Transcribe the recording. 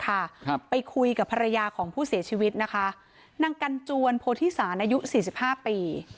ครับไปคุยกับภรรยาของผู้เสียชีวิตนะคะนางกันจวนโพธิศาลอายุสี่สิบห้าปี